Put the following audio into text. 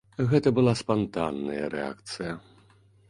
Гэта была спантанная рэакцыя.